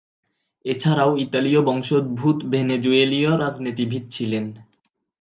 এছাড়াও ইতালীয় বংশোদ্ভূত ভেনেজুয়েলীয় রাজনীতিবিদ ছিলেন।